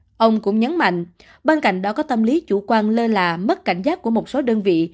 ông long cũng nhấn mạnh ban cạnh đó có tâm lý chủ quan lơ là mất cảnh giác của một số đơn vị